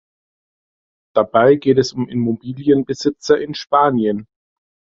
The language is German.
Dabei geht es um Immobilienbesitzer in Spanien.